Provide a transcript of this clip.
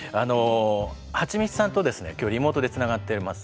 はちみつさんとですね今日リモートでつながっています。